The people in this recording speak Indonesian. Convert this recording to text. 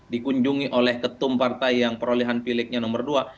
dikunjungi oleh ketum partai yang perolehan pilihnya nomor dua